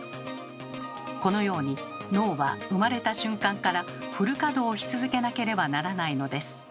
このように脳は生まれた瞬間からフル稼働し続けなければならないのです。